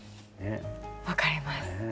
分かります。